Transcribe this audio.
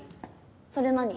それ何？